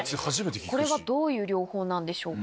これがどういう療法なんでしょうか？